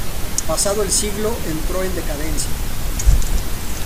Pasado el siglo, entró en decadencia.